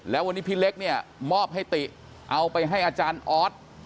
แล้ววันนี้พี่เล็กเนี่ยมอบให้ติเอาไปให้อาจารย์ออส